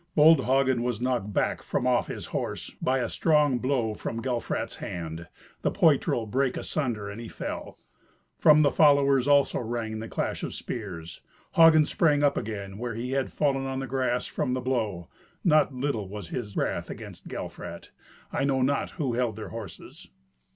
Bold Hagen was knocked back from off his horse by a strong blow from Gelfrat's hand. The poitral brake asunder and he fell. From the followers also rang the clash of spears. Hagen sprang up again where he had fallen on the grass from the blow; not little was his wrath against Gelfrat. I know not who held their horses.